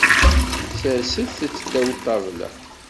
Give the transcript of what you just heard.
Serset-tt ddaw ṭṭabla.